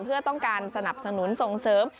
เพื่อต้องการสนับสนุนส่งเสริม